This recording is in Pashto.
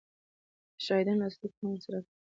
د شاهدانو لاسلیکونه یې هم ورسره کړل